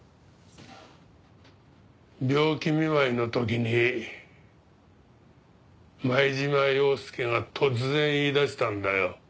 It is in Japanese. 病気見舞いの時に前島洋輔が突然言い出したんだよ。